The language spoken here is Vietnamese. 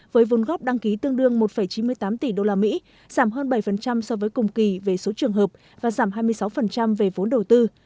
với vốn góp đăng ký tương đương một chín mươi tám tỷ usd giảm hơn bảy so với cùng kỳ về số trường hợp và giảm hai mươi sáu về vốn đầu tư